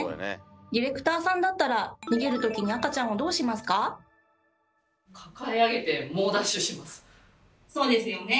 ディレクターさんだったらそうですよね。